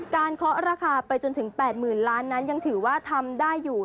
เคาะราคาไปจนถึง๘๐๐๐ล้านนั้นยังถือว่าทำได้อยู่